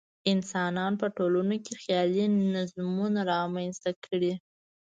انسانانو په ټولنو کې خیالي نظمونه رامنځته کړي.